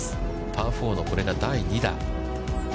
パー４のこれが第２打。